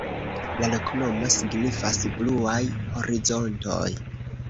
La loknomo signifas: bluaj horizontoj.